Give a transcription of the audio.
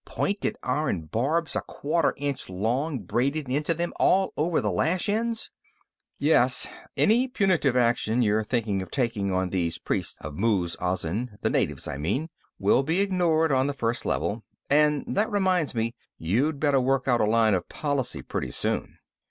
Pointed iron barbs a quarter inch long braided into them, all over the lash ends!" "Yes. Any punitive action you're thinking about taking on these priests of Muz Azin the natives, I mean will be ignored on the First Level. And that reminds me: you'd better work out a line of policy, pretty soon."